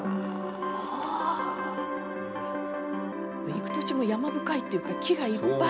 行く途中も山深いっていうか木がいっぱい！